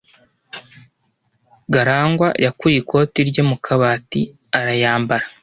Garangwa yakuye ikoti rye mu kabati arayambara.